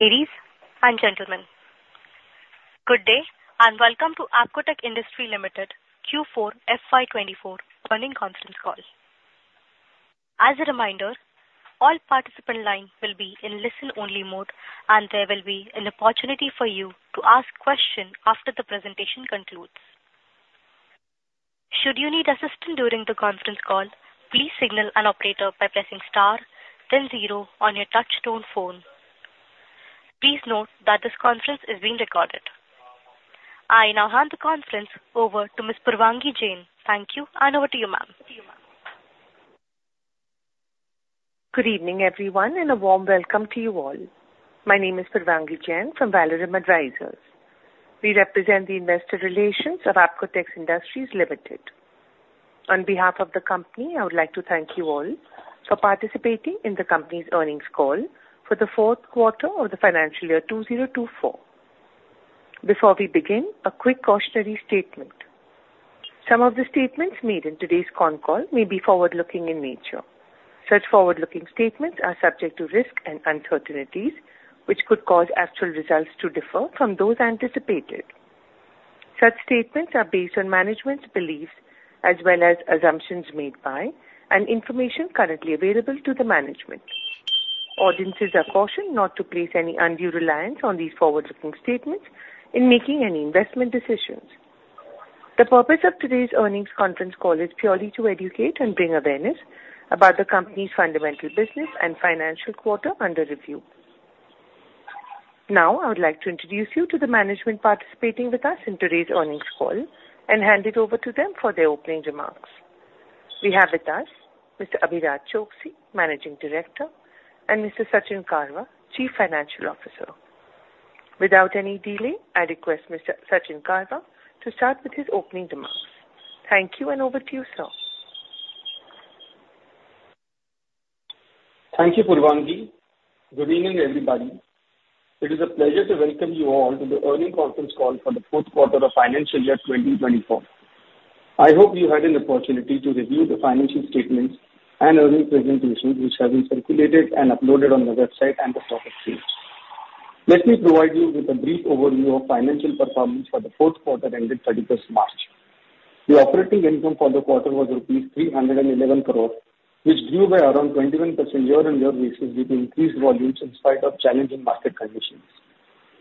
Ladies and gentlemen, good day, and welcome to Apcotex Industries Limited Q4 FY24 earnings conference call. As a reminder, all participant lines will be in listen-only mode, and there will be an opportunity for you to ask questions after the presentation concludes. Should you need assistance during the conference call, please signal an operator by pressing star, then zero on your touchtone phone. Please note that this conference is being recorded. I now hand the conference over to Ms. Purvangi Jain. Thank you, and over to you, ma'am. Good evening, everyone, and a warm welcome to you all. My name is Purvangi Jain from Valorem Advisors. We represent the investor relations of Apcotex Industries Limited. On behalf of the company, I would like to thank you all for participating in the company's earnings call for the fourth quarter of the financial year 2024. Before we begin, a quick cautionary statement. Some of the statements made in today's con call may be forward-looking in nature. Such forward-looking statements are subject to risks and uncertainties, which could cause actual results to differ from those anticipated. Such statements are based on management's beliefs as well as assumptions made by and information currently available to the management. Audiences are cautioned not to place any undue reliance on these forward-looking statements in making any investment decisions. The purpose of today's earnings conference call is purely to educate and bring awareness about the company's fundamental business and financial quarter under review. Now, I would like to introduce you to the management participating with us in today's earnings call and hand it over to them for their opening remarks. We have with us Mr. Abhiraj Choksey, Managing Director, and Mr. Sachin Karwa, Chief Financial Officer. Without any delay, I request Mr. Sachin Karwa to start with his opening remarks. Thank you, and over to you, sir. Thank you, Purvangi. Good evening, everybody. It is a pleasure to welcome you all to the earnings conference call for the fourth quarter of financial year 2024. I hope you had an opportunity to review the financial statements and earnings presentations, which have been circulated and uploaded on the website and the stock exchange. Let me provide you with a brief overview of financial performance for the fourth quarter ended 31st March. The operating income for the quarter was rupees 311 crore, which grew by around 21% year-on-year basis, with increased volumes in spite of challenging market conditions.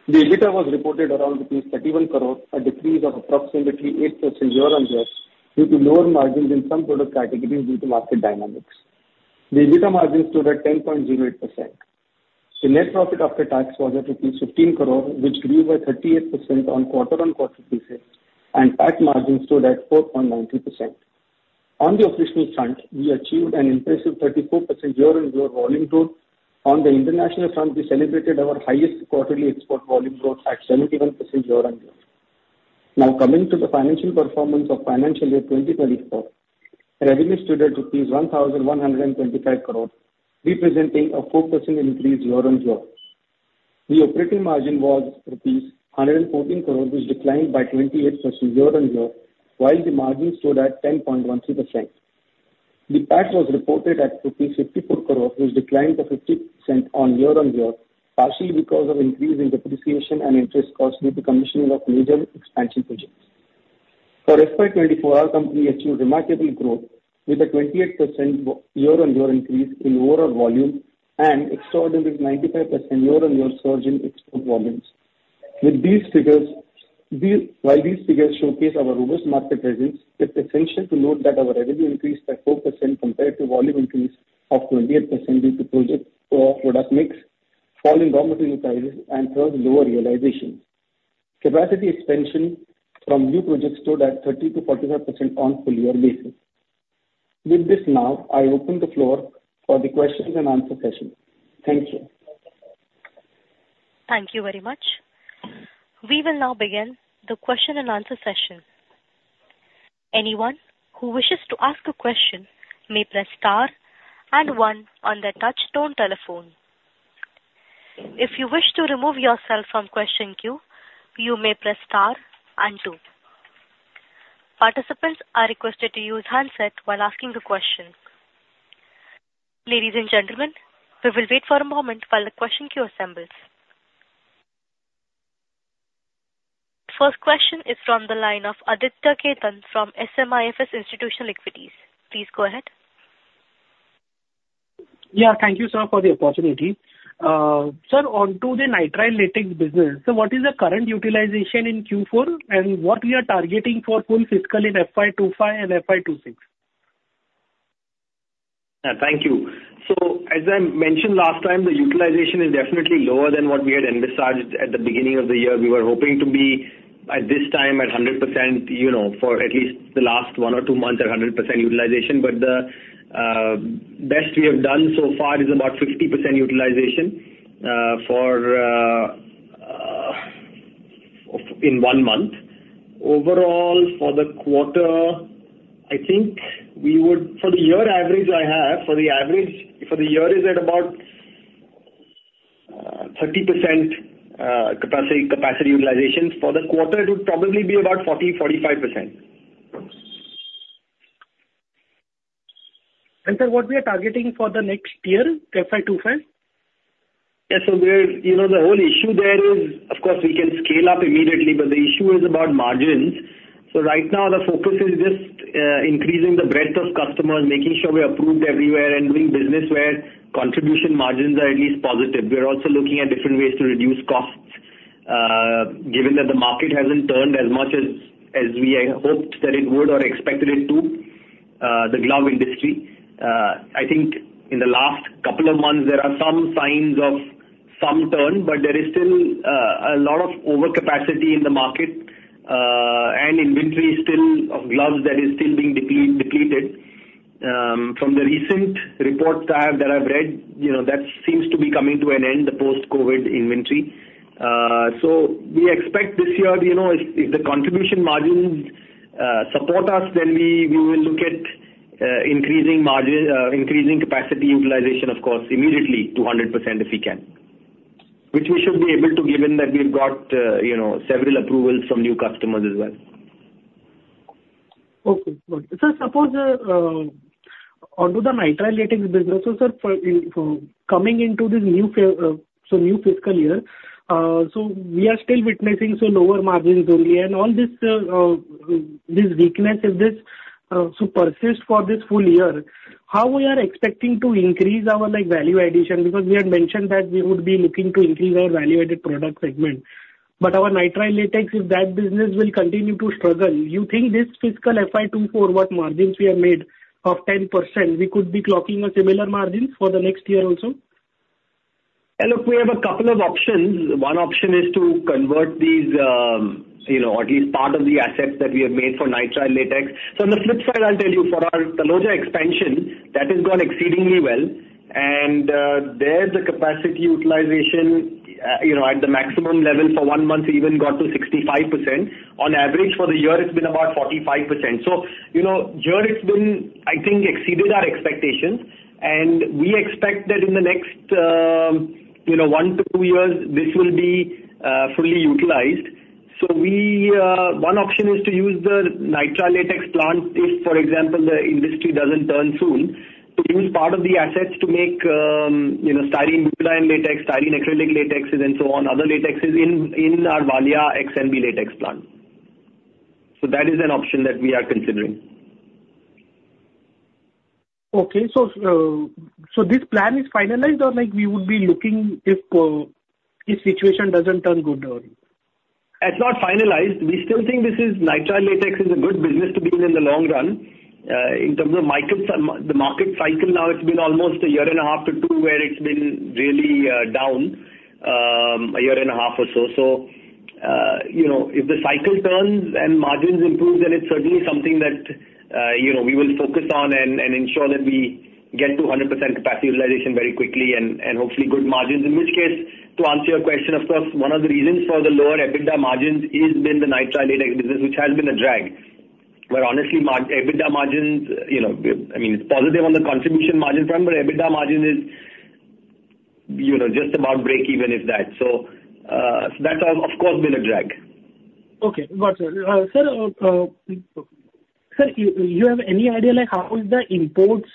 The EBITDA was reported around 31 crore, a decrease of approximately 8% year-on-year, due to lower margins in some product categories due to market dynamics. The EBITDA margins stood at 10.08%. The net profit after tax was at INR 15 crore, which grew by 38% on quarter-on-quarter basis, and PAT margins stood at 4.90%. On the operational front, we achieved an impressive 34% year-on-year volume growth. On the international front, we celebrated our highest quarterly export volume growth at 71% year on year. Now, coming to the financial performance of financial year 2024, revenue stood at 1,125 crore, representing a 4% increase year on year. The operating margin was rupees 114 crore, which declined by 28% year on year, while the margin stood at 10.12%. The PAT was reported at 54 crore rupees, which declined to 50% on year on year, partially because of increase in depreciation and interest costs due to commissioning of major expansion projects. For FY24, our company achieved remarkable growth with a 28% year-on-year increase in overall volume and extraordinary 95% year-on-year surge in export volumes. While these figures showcase our robust market presence, it's essential to note that our revenue increased by 4% compared to volume increase of 28% due to project mix, falling raw material prices, and thus lower realization. Capacity expansion from new projects stood at 30%-45% on full-year basis. With this now, I open the floor for the questions and answer session. Thank you. Thank you very much. We will now begin the question and answer session. Anyone who wishes to ask a question may press star and one on their touchtone telephone. If you wish to remove yourself from question queue, you may press star and two. Participants are requested to use handset while asking the question. Ladies and gentlemen, we will wait for a moment while the question queue assembles. First question is from the line of Aditya Khetan from SMIFS Institutional Equities. Please go ahead. Yeah, thank you, sir, for the opportunity. Sir, on to the nitrile latex business, so what is the current utilization in Q4, and what we are targeting for full fiscal in FY 25 and FY 26? Thank you. So, as I mentioned last time, the utilization is definitely lower than what we had envisaged at the beginning of the year. We were hoping to be, at this time, at 100%, you know, for at least the last one or two months, at 100% utilization. But the best we have done so far is about 50% utilization for one month. Overall, for the quarter, I think we would for the year average I have, for the average for the year is at about 30% capacity utilization. For the quarter, it would probably be about 40%-45%. Sir, what we are targeting for the next year, FY 2025? Yeah, so we're, you know, the whole issue there is, of course, we can scale up immediately, but the issue is about margins. So right now, the focus is just increasing the breadth of customers, making sure we're approved everywhere, and doing business where contribution margins are at least positive. We are also looking at different ways to reduce costs, given that the market hasn't turned as much as we had hoped that it would or expected it to, the glove industry. I think in the last couple of months, there are some signs of some turn, but there is still a lot of overcapacity in the market, and inventory still of gloves that is still being depleted. From the recent reports that I've read, you know, that seems to be coming to an end, the post-COVID inventory. So we expect this year, you know, if the contribution margins support us, then we will look at increasing capacity utilization, of course, immediately to 100% if we can. Which we should be able to, given that we've got, you know, several approvals from new customers as well. Okay, good. Sir, so onto the nitrile latex business. So, sir, for coming into this new fiscal year, so we are still witnessing lower margins only, and all this weakness, if this persists for this full year, how we are expecting to increase our, like, value addition? Because we had mentioned that we would be looking to increase our value-added product segment. But our nitrile latex, if that business will continue to struggle, you think this fiscal FY 2024, what margins we have made of 10%, we could be clocking a similar margin for the next year also? Hey, look, we have a couple of options. One option is to convert these, you know, at least part of the assets that we have made for nitrile latex. So on the flip side, I'll tell you, for our Taloja expansion, that has gone exceedingly well, and there the capacity utilization, you know, at the maximum level for one month, even got to 65%. On average for the year, it's been about 45%. So, you know, here it's been, I think, exceeded our expectations, and we expect that in the next, you know, one to two years, this will be fully utilized. So we, one option is to use the nitrile latex plant, if, for example, the industry doesn't turn soon, to use part of the assets to make, you know, styrene-butadiene latex, styrene-acrylic latex, and then so on, other latexes in, in our Valia XNB latex plant. So that is an option that we are considering. Okay. So, so this plan is finalized, or, like, we would be looking if, if situation doesn't turn good or...? It's not finalized. We still think this is, nitrile latex is a good business to be in in the long run. In terms of macro, the market cycle now, it's been almost a year and a half to two, where it's been really down, a year and a half or so. So, you know, if the cycle turns and margins improve, then it's certainly something that, you know, we will focus on and, and ensure that we get to 100% capacity utilization very quickly, and, and hopefully good margins. In which case, to answer your question, of course, one of the reasons for the lower EBITDA margins is been the nitrile latex business, which has been a drag. Where honestly, margin EBITDA margins, you know, I mean, it's positive on the contribution margin front, but EBITDA margin is, you know, just about break even, if that. So, that's of course been a drag. Okay. Got you. Sir, do you have any idea, like, how is the imports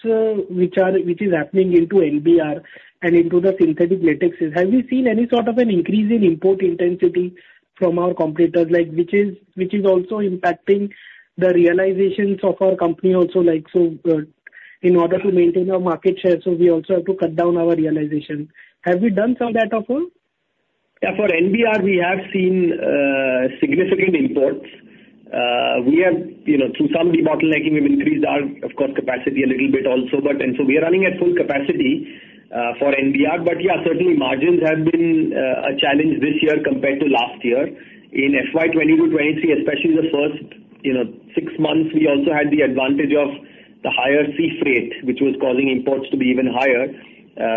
which are happening into NBR and into the synthetic latexes? Have you seen any sort of an increase in import intensity from our competitors, like, which is also impacting the realizations of our company also, like, so, in order to maintain our market share, so we also have to cut down our realization. Have we done some of that also? Yeah, for NBR, we have seen significant imports. We have, you know, through some debottlenecking, we've increased our, of course, capacity a little bit also, but... And so we are running at full capacity for NBR. But yeah, certainly margins have been a challenge this year compared to last year. In FY 2022-2023, especially the first, you know, six months, we also had the advantage of the higher sea freight, which was causing imports to be even higher,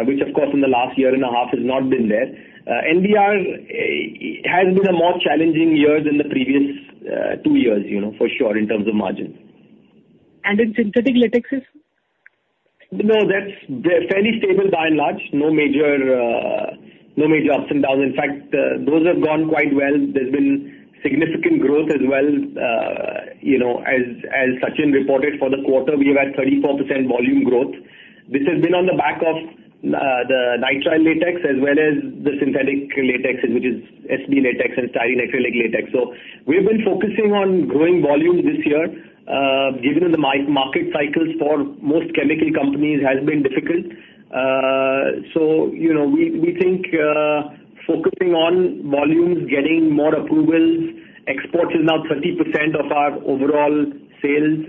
which of course, in the last year and a half has not been there. NBR, it has been a more challenging year than the previous two years, you know, for sure, in terms of margins. In synthetic latexes? No, that's, they're fairly stable by and large. No major, no major ups and downs. In fact, those have gone quite well. There's been significant growth as well. You know, as, as Sachin reported, for the quarter, we have had 34% volume growth. This has been on the back of, the nitrile latex, as well as the synthetic latex, which is SB latex and styrene-acrylic latex. So we've been focusing on growing volumes this year, given that the market cycles for most chemical companies has been difficult. So, you know, we, we think, focusing on volumes, getting more approvals, exports is now 30% of our overall sales.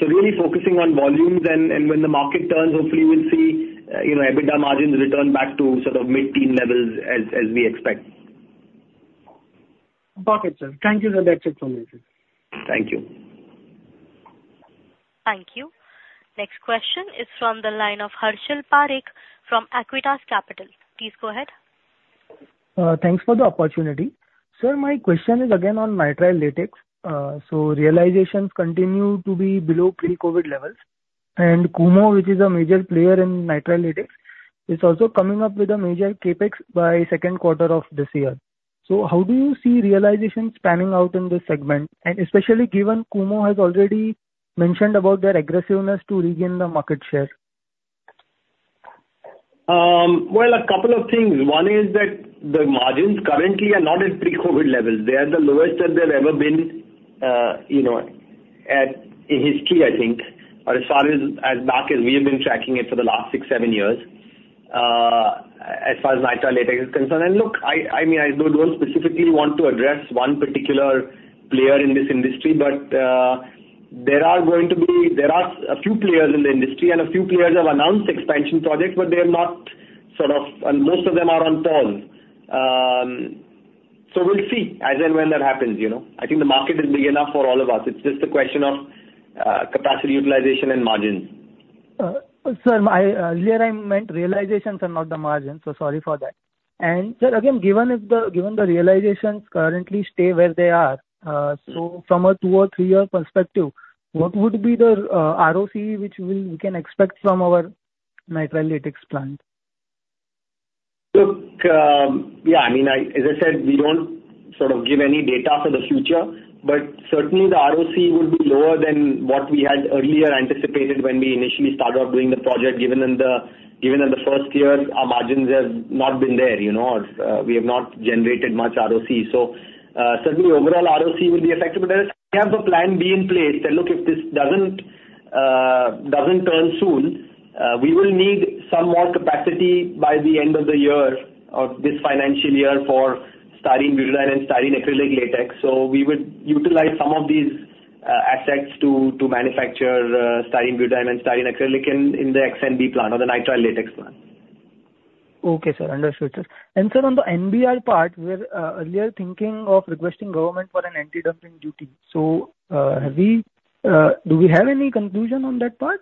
So really focusing on volumes, and, and when the market turns, hopefully we'll see, you know, EBITDA margins return back to sort of mid-teen levels, as, as we expect. Got it, sir. Thank you, sir. That's it from me. Thank you. Thank you. Next question is from the line of Harshal Parekh from Acuitas Capital. Please go ahead. Thanks for the opportunity. Sir, my question is again on nitrile latex. So realizations continue to be below pre-COVID levels, and Kumho, which is a major player in nitrile latex. It's also coming up with a major CapEx by second quarter of this year. So how do you see realizations panning out in this segment, and especially given Kumho has already mentioned about their aggressiveness to regain the market share? Well, a couple of things. One is that the margins currently are not at pre-COVID levels. They are the lowest that they've ever been, you know, at in history, I think, or as far back as we have been tracking it for the last 6-7 years, as far as nitrile latex is concerned. And look, I mean, I don't specifically want to address one particular player in this industry, but there are a few players in the industry, and a few players have announced expansion projects, but they are not sort of, and most of them are on turn. So we'll see as and when that happens, you know? I think the market is big enough for all of us. It's just a question of capacity, utilization, and margins. Sir, here I meant realizations and not the margins, so sorry for that. Sir, again, given the realizations currently stay where they are, so from a two- or three-year perspective, what would be the ROC we can expect from our nitrile latex plant? Look, yeah, I mean, as I said, we don't sort of give any data for the future, but certainly the ROC would be lower than what we had earlier anticipated when we initially started off doing the project, given in the first year, our margins have not been there, you know, we have not generated much ROC. So, certainly overall, ROC will be affected, but we have a plan B in place. That look, if this doesn't turn soon, we will need some more capacity by the end of the year or this financial year for styrene-butadiene and styrene-acrylic latex. So we would utilize some of these assets to manufacture styrene-butadiene and styrene-acrylic in the XNB plant or the nitrile latex plant. Okay, sir. Understood, sir. And sir, on the NBR part, we're earlier thinking of requesting government for an anti-dumping duty. So, do we have any conclusion on that part?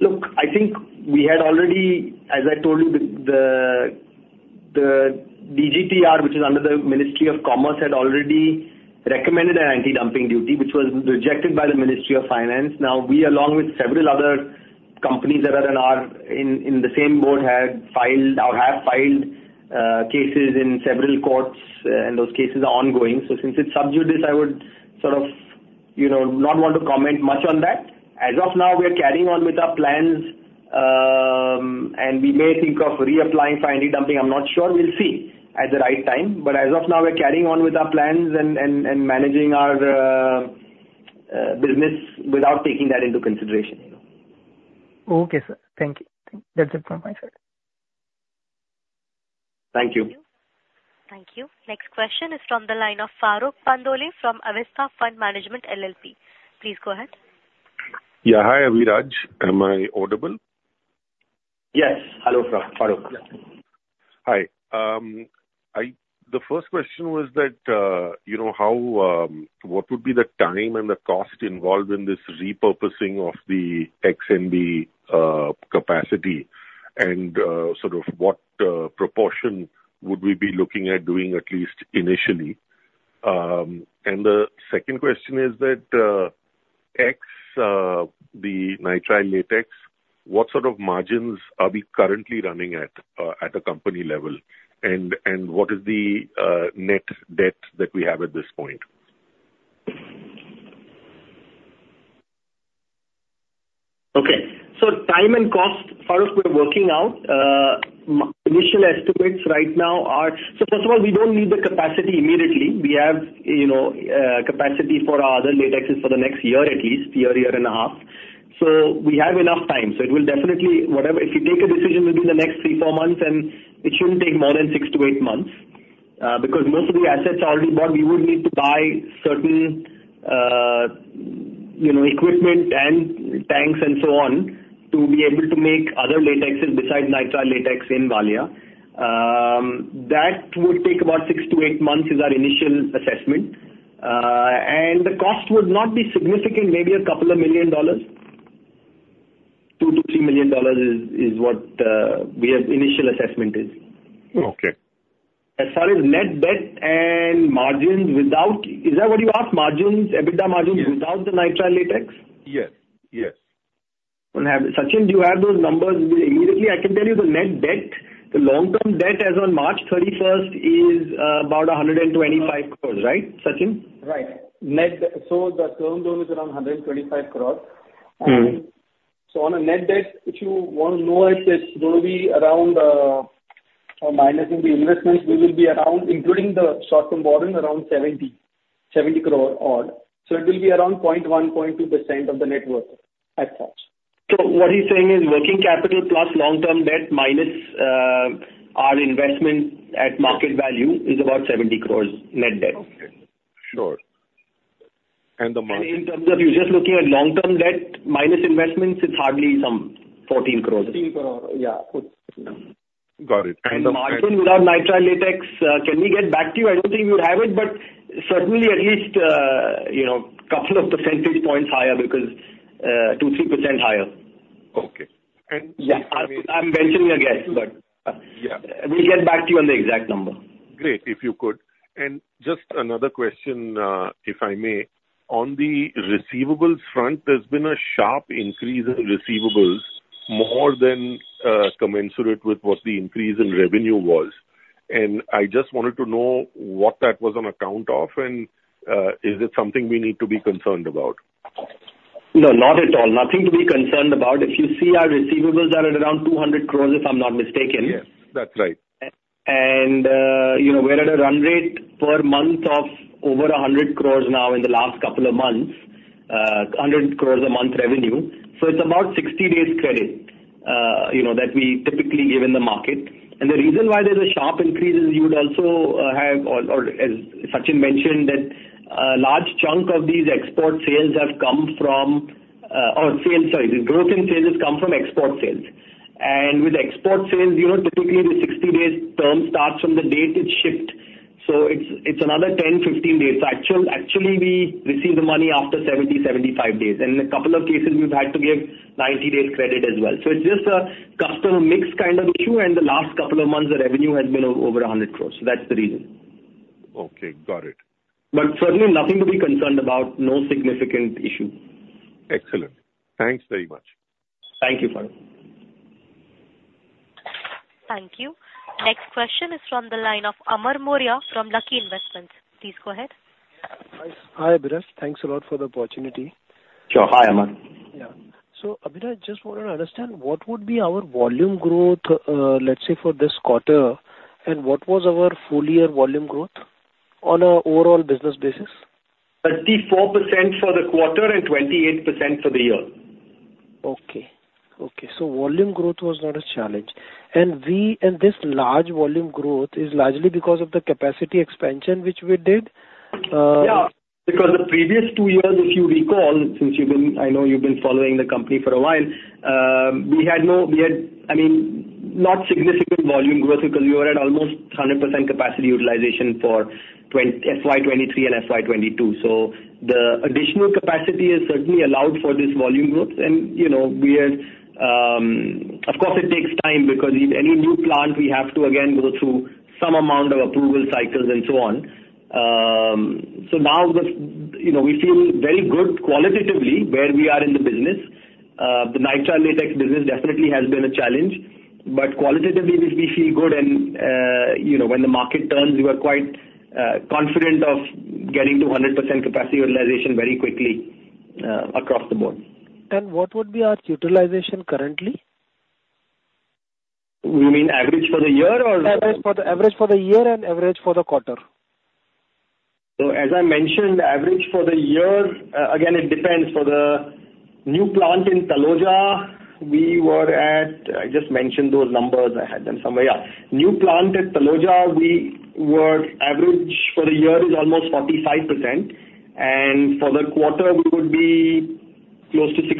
Look, I think we had already, as I told you, the DGTR, which is under the Ministry of Commerce, had already recommended an anti-dumping duty, which was rejected by the Ministry of Finance. Now, we, along with several other companies that are in the same boat, had filed or have filed cases in several courts, and those cases are ongoing. So since it's sub judice, I would sort of, you know, not want to comment much on that. As of now, we're carrying on with our plans, and we may think of reapplying for anti-dumping. I'm not sure. We'll see at the right time. But as of now, we're carrying on with our plans and managing our business without taking that into consideration, you know. Okay, sir. Thank you. That's it from my side. Thank you. Thank you. Next question is from the line of Farokh Pandole from Avista Fund Management LLP. Please go ahead. Yeah. Hi, Abhiraj. Am I audible? Yes. Hello, sir. Farokh. Hi. The first question was that, you know, what would be the time and the cost involved in this repurposing of the XNB capacity? And, sort of what proportion would we be looking at doing at least initially? And the second question is that, XNB the nitrile latex, what sort of margins are we currently running at, at a company level? And what is the net debt that we have at this point? Okay. So time and cost, Farokh, we're working out. Initial estimates right now are... So first of all, we don't need the capacity immediately. We have, you know, capacity for our other latexes for the next year at least, year, year and a half. So we have enough time. So it will definitely, whatever, if you take a decision within the next 3-4 months, then it shouldn't take more than 6-8 months, because most of the assets are already bought. We would need to buy certain, you know, equipment and tanks and so on, to be able to make other latexes besides nitrile latex in Valia. That would take about 6-8 months, is our initial assessment. And the cost would not be significant, maybe $2 million. $2 million-$3 million is, is what we have initial assessment is. Okay. As far as net debt and margins without... Is that what you asked? Margins, EBITDA margins- Yes. without the nitrile latex? Yes. Yes. Sachin, do you have those numbers immediately? I can tell you the net debt, the long-term debt as on March 31st is about 125 crore, right, Sachin? Right. Net, so the term loan is around 125 crore. Mm-hmm. On a net debt, if you want to know, it is going to be around, or minusing the investments, we will be around, including the short-term borrowing, around 70 crore odd. It will be around 0.1%-0.2% of the network at best. What he's saying is working capital plus long-term debt minus our investment at market value is about 70 crore net debt. Okay. Sure. And the margin? In terms of you just looking at long-term debt minus investments, it's hardly some 14 crore. 14 crore, yeah. Got it. And, Margin without nitrile latex, can we get back to you? I don't think we have it, but certainly at least, you know, couple of percentage points higher because 2%-3% higher. Okay. And- Yeah, I'm venturing a guess, but- Yeah. We'll get back to you on the exact number.... Great, if you could. And just another question, if I may. On the receivables front, there's been a sharp increase in receivables, more than commensurate with what the increase in revenue was. And I just wanted to know what that was on account of, and is it something we need to be concerned about? No, not at all. Nothing to be concerned about. If you see our receivables are at around 200 crore, if I'm not mistaken. Yes, that's right. And, you know, we're at a run rate per month of over 100 crores now in the last couple of months, 100 crores a month revenue. So it's about 60 days credit, you know, that we typically give in the market. And the reason why there's a sharp increase is you would also have, or as Sachin mentioned, that a large chunk of these export sales have come from, or sales—sorry, the growth in sales has come from export sales. And with export sales, you know, typically, the 60 days term starts from the date it's shipped, so it's another 10-15 days. So actually, we receive the money after 70-75 days, and in a couple of cases, we've had to give 90 days credit as well. So it's just a customer mix kind of issue, and the last couple of months, the revenue has been over 100 crore. So that's the reason. Okay, got it. Certainly nothing to be concerned about. No significant issue. Excellent. Thanks very much. Thank you, Farokh. Thank you. Next question is from the line of Amar Maurya from Lucky Investments. Please go ahead. Hi, Abhiraj. Thanks a lot for the opportunity. Sure. Hi, Amar. Yeah. So Abhiraj, just wanted to understand, what would be our volume growth, let's say, for this quarter, and what was our full year volume growth on an overall business basis? 34% for the quarter and 28% for the year. Okay. Okay, so volume growth was not a challenge. And this large volume growth is largely because of the capacity expansion, which we did. Yeah. Because the previous two years, if you recall, since you've been... I know you've been following the company for a while, we had, I mean, not significant volume growth because we were at almost 100% capacity utilization for FY 2023 and FY 2022. So the additional capacity has certainly allowed for this volume growth. And, you know, we are. Of course, it takes time because in any new plant, we have to again go through some amount of approval cycles and so on. So now the, you know, we feel very good qualitatively where we are in the business. The nitrile latex business definitely has been a challenge, but qualitatively, we, we feel good, and, you know, when the market turns, we are quite, confident of getting to 100% capacity utilization very quickly, across the board. What would be our utilization currently? You mean average for the year or? Average for the year and average for the quarter. As I mentioned, average for the year, again, it depends. For the new plant in Taloja, we were at, I just mentioned those numbers. I had them somewhere. Yeah, new plant at Taloja, we were average for the year is almost 45%, and for the quarter we would be close to 60%.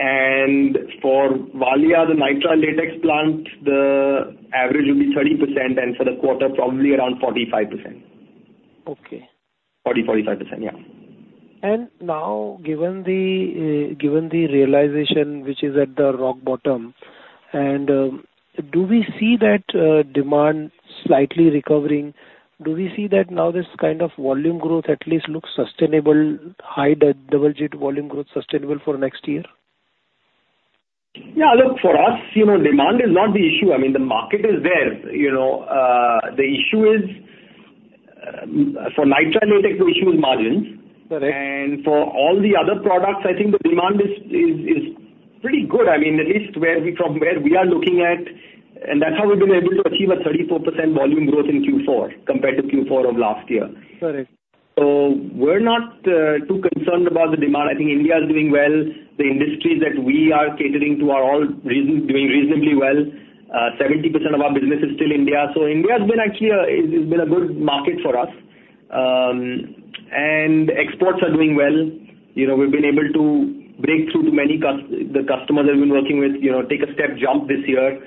And for Valia, the nitrile latex plant, the average will be 30%, and for the quarter, probably around 45%. Okay. 40%-45%. Yeah. Now, given the realization, which is at the rock bottom, do we see that demand slightly recovering? Do we see that now this kind of volume growth at least looks sustainable, high double-digit volume growth sustainable for next year? Yeah, look, for us, you know, demand is not the issue. I mean, the market is there. You know, the issue is, for nitrile latex, the issue is margins. Correct. For all the other products, I think the demand is pretty good. I mean, at least from where we are looking at, and that's how we've been able to achieve a 34% volume growth in Q4 compared to Q4 of last year. Got it. So we're not too concerned about the demand. I think India is doing well. The industries that we are catering to are all doing reasonably well. 70% of our business is still India, so India has been actually it's been a good market for us. And exports are doing well. You know, we've been able to break through to many the customers that we've been working with, you know, take a step jump this year,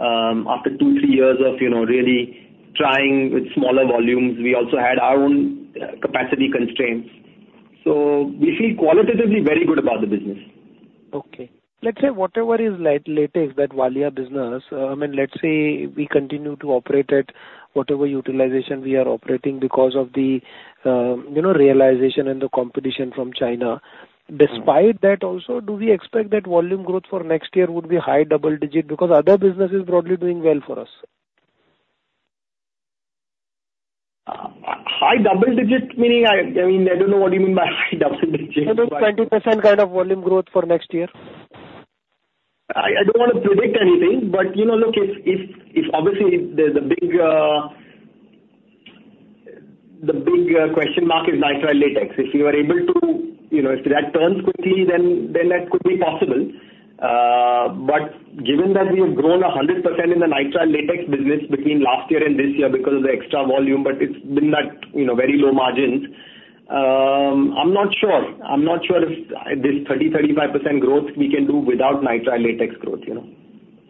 after 2-3 years of, you know, really trying with smaller volumes. We also had our own capacity constraints. So we feel qualitatively very good about the business. Okay. Let's say whatever is latex, that Valia business, and let's say we continue to operate at whatever utilization we are operating because of the, you know, realization and the competition from China. Mm. Despite that also, do we expect that volume growth for next year would be high double-digit? Because other business is broadly doing well for us. High double digit, meaning I, I mean, I don't know what you mean by high double digit, but- 20% kind of volume growth for next year. I don't want to predict anything, but, you know, look, if obviously if there's a big... The big question mark is nitrile latex. If we were able to, you know, if that turns quickly, then that could be possible. But given that we have grown 100% in the nitrile latex business between last year and this year because of the extra volume, but it's been that, you know, very low margins, I'm not sure. I'm not sure if this 30-35% growth we can do without nitrile latex growth, you know.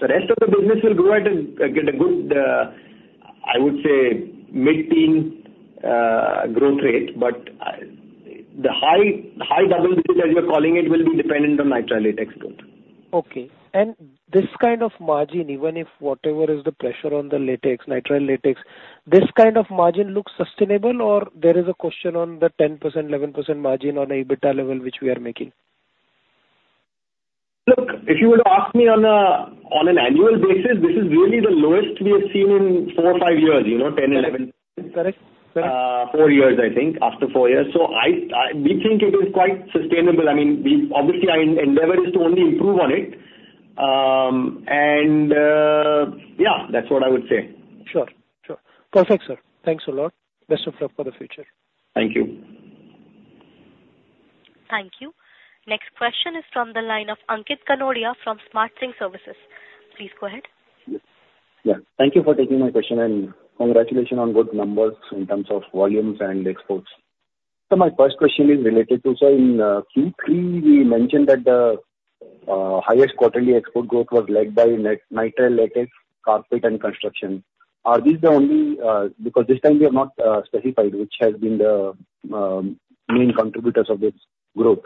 The rest of the business will grow at a good, I would say, mid-teen growth rate, but the high double digits as you're calling it will be dependent on nitrile latex growth. Okay. And this kind of margin, even if whatever is the pressure on the latex, nitrile latex, this kind of margin looks sustainable or there is a question on the 10%, 11% margin on an EBITDA level, which we are making? Look, if you were to ask me on an annual basis, this is really the lowest we have seen in four or five years, you know, 10, 11. Correct. Correct. Four years, I think, after four years. So I, we think it is quite sustainable. I mean, we obviously, our endeavor is to only improve on it. And yeah, that's what I would say. Sure. Sure. Perfect, sir. Thanks a lot. Best of luck for the future. Thank you. Thank you. Next question is from the line of Ankit Kanodia from Smart Sync Services. Please go ahead. Yeah. Thank you for taking my question, and congratulations on good numbers in terms of volumes and exports. So my first question is related to, so in Q3, we mentioned that the highest quarterly export growth was led by nitrile latex, carpet and construction. Are these the only, because this time we have not specified which has been the main contributors of this growth.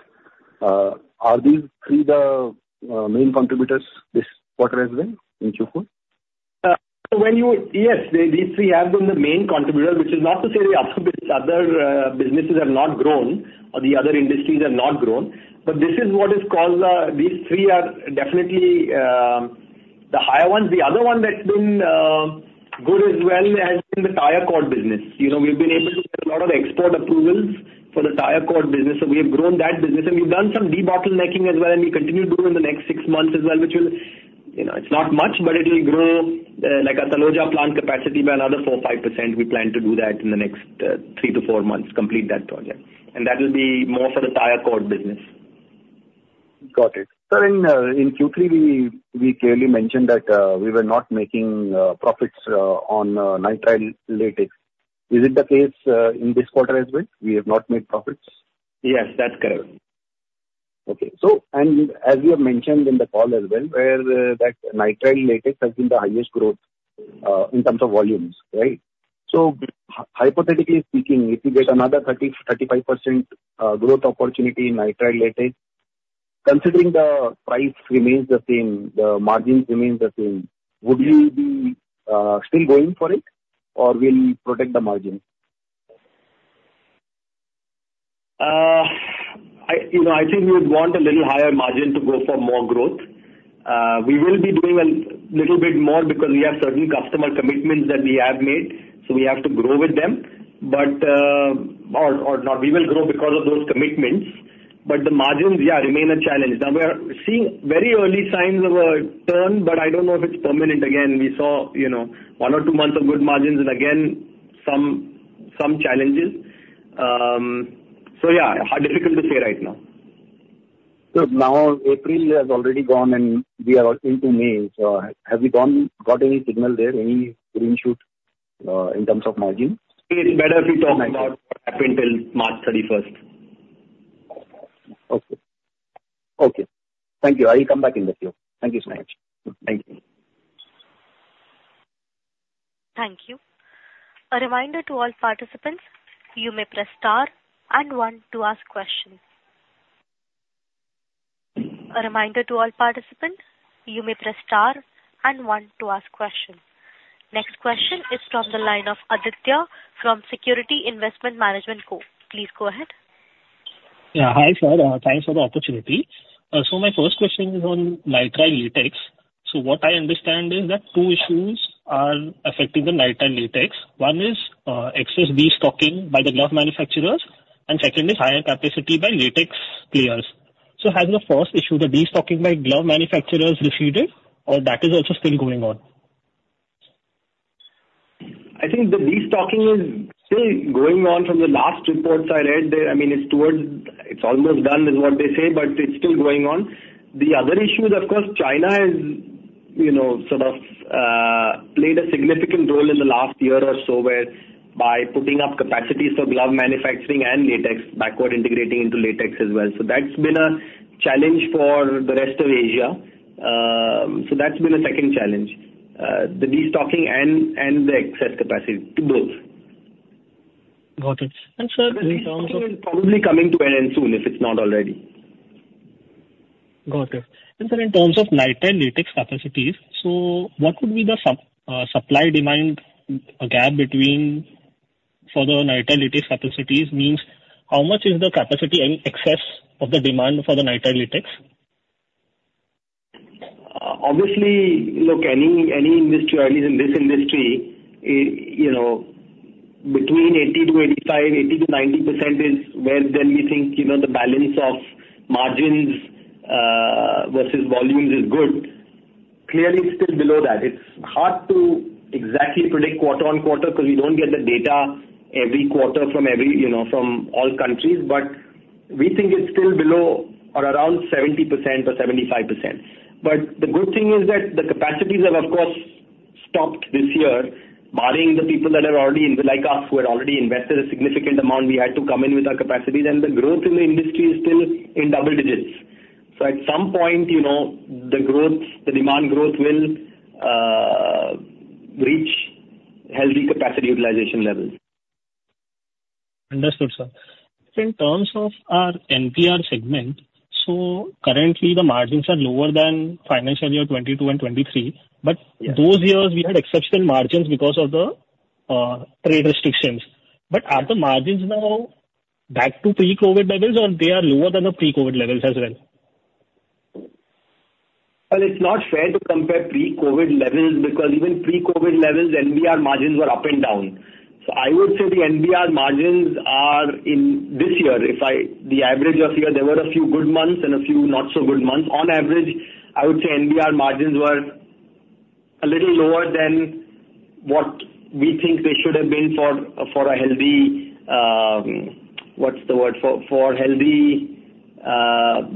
Are these three the main contributors this quarter as well, in Q4? So when you... Yes, these three have been the main contributor, which is not to say the other businesses have not grown or the other industries have not grown, but this is what is called. These three are definitely the higher ones. The other one that's been good as well has been the tire cord business. You know, we've been able to get a lot of export approvals for the tire cord business, so we have grown that business. We've done some debottlenecking as well, and we continue to do in the next 6 months as well, which will, you know, it's not much, but it'll grow like our Taloja plant capacity by another 4-5%. We plan to do that in the next 3-4 months, complete that project. That will be more for the tire cord business. Got it. So in Q3, we clearly mentioned that we were not making profits on nitrile latex. Is it the case in this quarter as well? We have not made profits. Yes, that's correct. Okay. So, and as you have mentioned in the call as well, where that nitrile latex has been the highest growth in terms of volumes, right? So hypothetically speaking, if you get another 30%-35% growth opportunity in nitrile latex, considering the price remains the same, the margin remains the same, would you be still going for it, or will you protect the margin? You know, I think we would want a little higher margin to go for more growth. We will be doing a little bit more because we have certain customer commitments that we have made, so we have to grow with them. But we will grow because of those commitments, but the margins, yeah, remain a challenge. Now, we are seeing very early signs of a turn, but I don't know if it's permanent. Again, we saw, you know, one or two months of good margins and again, some challenges. So yeah, hard, difficult to say right now. So now, April has already gone and we are into May. So have you got any signal there, any green shoot in terms of margin? It's better if we talk about up until March 31st. Okay. Okay. Thank you. I will come back in the queue. Thank you so much. Thank you. Thank you. A reminder to all participants, you may press star and one to ask questions. A reminder to all participants, you may press star and one to ask questions. Next question is from the line of Aditya from Securities Investment Management Pvt. Ltd. Please go ahead. Yeah, hi, sir. Thanks for the opportunity. So my first question is on nitrile latex. So what I understand is that two issues are affecting the nitrile latex. One is, excess destocking by the glove manufacturers, and second is higher capacity by latex players. So has the first issue, the destocking by glove manufacturers, receded, or that is also still going on? I think the destocking is still going on. From the last reports I read, they, I mean, it's towards, it's almost done, is what they say, but it's still going on. The other issue is, of course, China has, you know, sort of, played a significant role in the last year or so, whereby putting up capacities for glove manufacturing and latex, backward integrating into latex as well. So that's been a challenge for the rest of Asia. So that's been a second challenge, the destocking and the excess capacity, to both. Got it. And sir, in terms of- But it's probably coming to an end soon, if it's not already. Got it. And sir, in terms of nitrile latex capacities, so what would be the supply-demand gap between... for the nitrile latex capacities? Means, how much is the capacity in excess of the demand for the nitrile latex? Obviously, look, any, any industry, at least in this industry, it, you know, between 80-85%, 80-90% is where then we think, you know, the balance of margins versus volumes is good. Clearly, it's still below that. It's hard to exactly predict quarter on quarter, because we don't get the data every quarter from every, you know, from all countries, but we think it's still below or around 70% or 75%. But the good thing is that the capacities have, of course, stopped this year, barring the people that are already in, like us, who had already invested a significant amount, we had to come in with our capacities, and the growth in the industry is still in double digits. So at some point, you know, the growth, the demand growth will reach healthy capacity utilization levels. Understood, sir. In terms of our NBR segment, so currently the margins are lower than financial year 2022 and 2023, but- Yeah. -those years we had exceptional margins because of the, trade restrictions. But are the margins now back to pre-COVID levels, or they are lower than the pre-COVID levels as well? Well, it's not fair to compare pre-COVID levels, because even pre-COVID levels, NBR margins were up and down. So I would say the NBR margins are, in this year, if I, the average last year, there were a few good months and a few not so good months. On average, I would say NBR margins were a little lower than what we think they should have been for, for a healthy, what's the word? For, for healthy,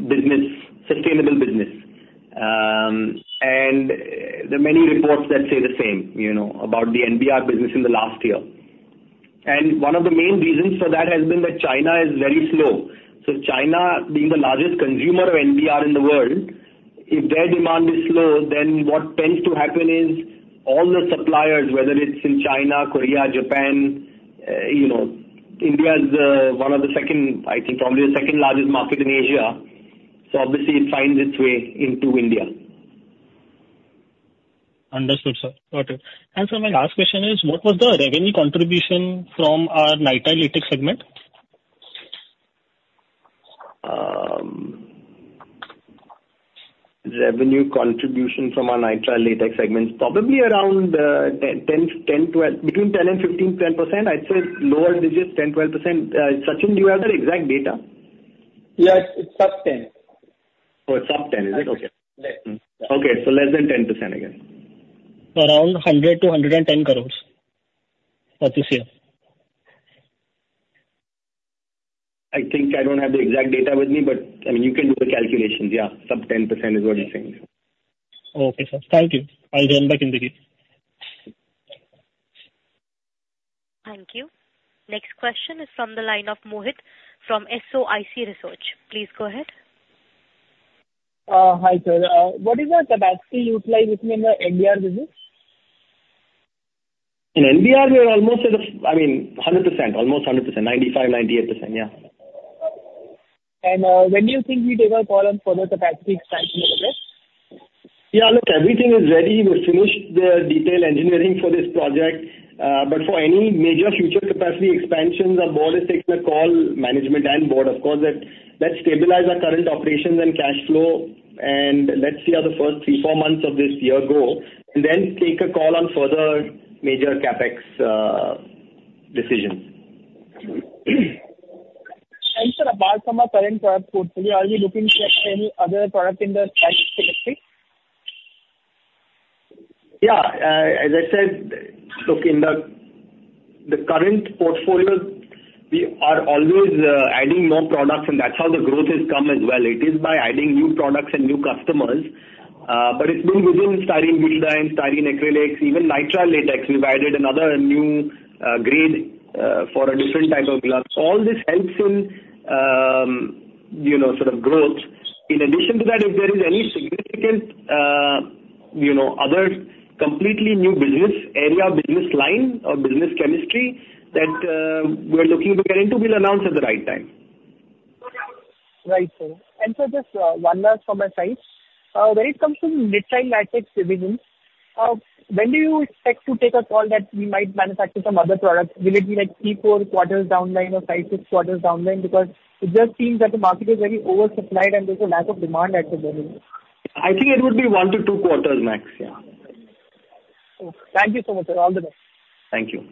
business, sustainable business. And there are many reports that say the same, you know, about the NBR business in the last year. And one of the main reasons for that has been that China is very slow. So China being the largest consumer of NBR in the world, if their demand is slow, then what tends to happen is, all the suppliers, whether it's in China, Korea, Japan, you know, India is, one of the second, I think probably the second largest market in Asia, so obviously it finds its way into India. Understood, sir. Got it. And sir, my last question is: What was the revenue contribution from our nitrile latex segment? Revenue contribution from our nitrile latex segment, probably around 10, between 10 and 15%. I'd say lower digits, 10-12%. Sachin, do you have the exact data? Yes, it's sub 10. Oh, it's sub 10, is it? Okay. Okay, so less than 10% again. Around 100 crore-110 crore for this year. I think I don't have the exact data with me, but, I mean, you can do the calculations. Yeah, sub-10% is what he's saying. Okay, sir. Thank you. I'll get back in the day. Thank you. Next question is from the line of Ishmohit from SOIC Research. Please go ahead. Hi, sir. What is our capacity utilization in the NBR business? In NBR, we are almost at the, I mean, 100%, almost 100%. 95%, 98%. Yeah. When do you think we take a call on further capacity expansion of that? Yeah, look, everything is ready. We've finished the detail engineering for this project. But for any major future capacity expansions, our board has taken a call, management and board, of course, that let's stabilize our current operations and cash flow, and let's see how the first 3-4 months of this year go, and then take a call on further major CapEx decisions. Sir, apart from our current product portfolio, are you looking for any other product in the styrene chemistry? Yeah. As I said, look, in the current portfolio, we are always adding more products, and that's how the growth has come as well. It is by adding new products and new customers. But it's been within styrene-butadiene, styrene-acrylics, even nitrile latex. We've added another new grade for a different type of gloves. All this helps in, you know, sort of growth. In addition to that, if there is any significant, you know, other completely new business area, business line or business chemistry that we're looking to get into, we'll announce at the right time. Right, sir. Sir, just one last from my side. When it comes to nitrile latex division, when do you expect to take a call that we might manufacture some other products? Will it be, like, 3-4 quarters down the line or 5-6 quarters down the line? Because it just seems that the market is very oversupplied and there's a lack of demand at the moment. I think it would be 1-2 quarters max. Yeah. Thank you so much, sir. All the best. Thank you.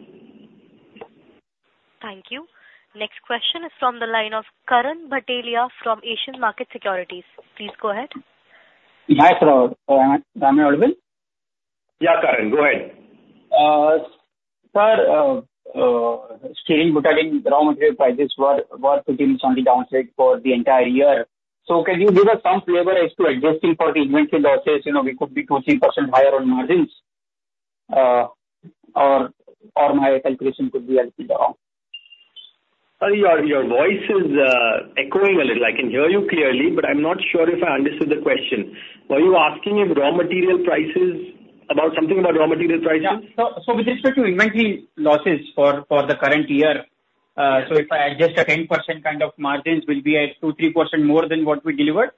Thank you. Next question is from the line of Karan Bhatelia from Asian Markets Securities. Please go ahead. Hi, sir. Am I audible? Yeah, Karan, go ahead. Sir, styrene-butadiene raw material prices were pretty much on the downside for the entire year. So can you give us some flavor as to adjusting for the inventory losses, you know, we could be 2%-3% higher on margins, or my calculation could be completely wrong? Your voice is echoing a little. I can hear you clearly, but I'm not sure if I understood the question. Were you asking if raw material prices... About something about raw material prices? Yeah. So, with respect to inventory losses for the current year, so if I adjust the 10% kind of margins, will be at 2%-3% more than what we delivered?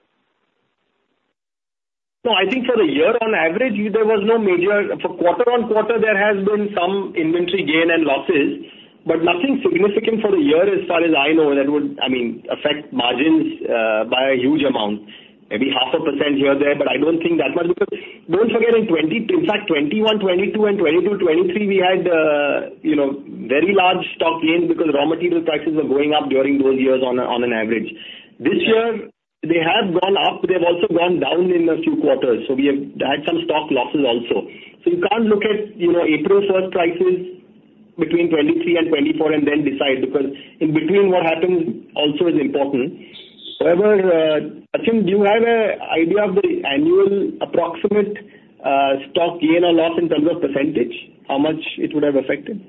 No, I think for the year, on average, there was no major... For quarter-on-quarter, there has been some inventory gain and losses, but nothing significant for the year as far as I know, that would, I mean, affect margins by a huge amount. Maybe 0.5% here or there, but I don't think that much, because don't forget in 2020, in fact, 2021, 2022 and 2022, 2023, we had, you know, very large stock gains, because raw material prices were going up during those years on an average. This year, they have gone up, they've also gone down in a few quarters, so we have had some stock losses also. So you can't look at, you know, April 1st prices between 2023 and 2024 and then decide, because in between, what happens also is important. However, Sachin, do you have an idea of the annual approximate stock gain or loss in terms of percentage, how much it would have affected?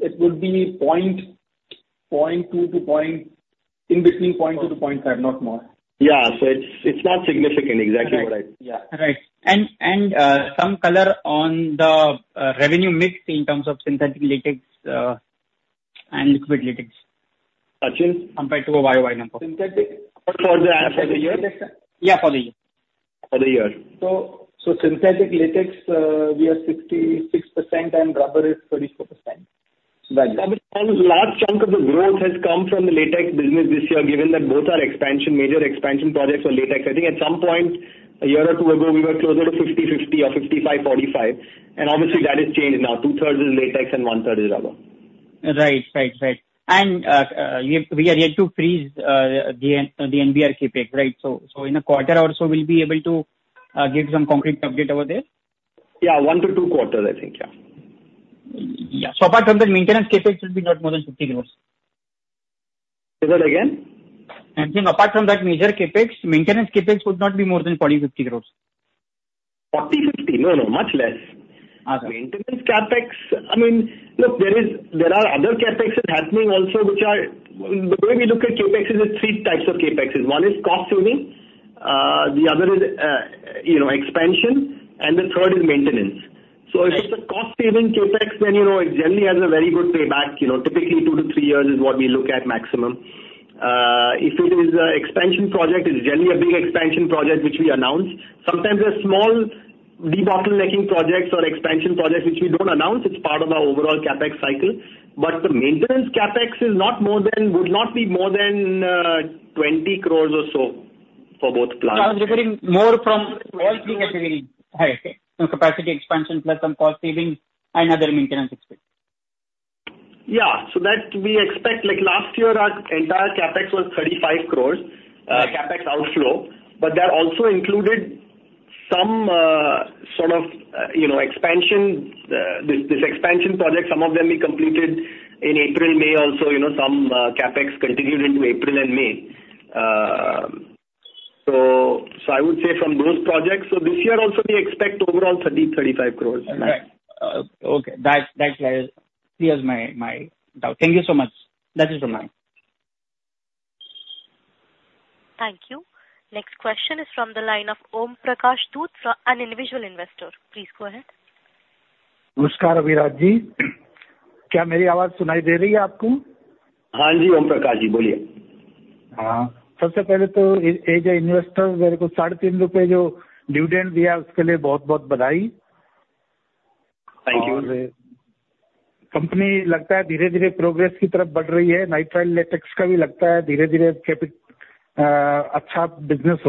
It would be 0.2-0.5, not more. Yeah, so it's not significant, exactly what I- Right. Yeah, right. And some color on the revenue mix in terms of synthetic latex and liquid latex. Sachin? Compared to a YOY number. Synthetic- For the year? Yeah, for the year. For the year. So, synthetic latex, we are 66% and rubber is 34%. Last chunk of the growth has come from the latex business this year, given that both our expansion, major expansion projects were latex. I think at some point, a year or two ago, we were closer to 50/50 or 55/45, and obviously that has changed. Now, two-thirds is latex and one-third is rubber. Right. Right, right. And we are yet to freeze the NBR CapEx, right? So in a quarter or so, we'll be able to give some concrete update over there? Yeah, 1-2 quarters, I think, yeah. Yeah. So apart from that, maintenance CapEx should be not more than 50 crore. Say that again? I think apart from that major CapEx, maintenance CapEx would not be more than 40-50 crore. 40-50? No, no, much less. Okay. Maintenance CapEx, I mean, look, there are other CapEx that's happening also, which are... The way we look at CapEx is, there's three types of CapExes. One is cost saving, the other is, you know, expansion, and the third is maintenance. Right. So if it's a cost saving CapEx, then, you know, it generally has a very good payback. You know, typically 2-3 years is what we look at maximum. If it is a expansion project, it's generally a big expansion project, which we announce. Sometimes a small de-bottlenecking projects or expansion projects which we don't announce, it's part of our overall CapEx cycle. But the maintenance CapEx is not more than, would not be more than, 20 crore or so for both plants. I was referring more from all three categories. High, okay. From capacity expansion, plus some cost saving and other maintenance expense. Yeah. So that we expect, like, last year, our entire CapEx was 35 crore, CapEx outflow, but that also included some, sort of, you know, expansion. This expansion project, some of them we completed in April, May also, you know, some CapEx continued into April and May. So I would say from those projects, so this year also we expect overall 30-35 crore. Right. Okay. That clears my doubt. Thank you so much. That is all, ma'am. Thank you. Next question is from the line of Om Prakash Dutt from [An individual] investor. Please go ahead.... Hello, Abhiraj ji. Can you hear me? Yes, Om Prakash ji. Please go ahead. First of all, as an investor, congratulations on the INR 3.5 dividends you gave me. Thank you. It seems the company is gradually moving towards progress. It also seems that nitrile latex will gradually become a good business.